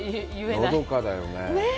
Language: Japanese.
のどかだよねぇ。